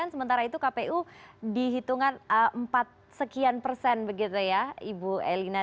sementara itu kpu dihitungan empat sekian persen begitu ya ibu elina